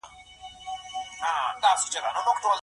ملکیار هوتک د لرغونې دورې له شاعرانو څخه دی.